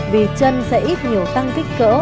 vì chân sẽ ít nhiều tăng kích cỡ